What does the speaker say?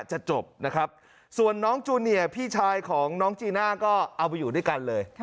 จบนะครับส่วนน้องจูเนียร์พี่ชายของน้องจีน่าก็เอาไปอยู่ด้วยกันเลย